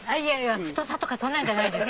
太さとかそんなんじゃないです